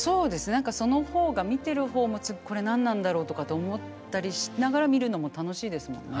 何かその方が見てる方も「次これ何なんだろう」とかって思ったりしながら見るのも楽しいですもんね。